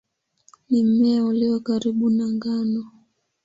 Ni mmea ulio karibu na ngano.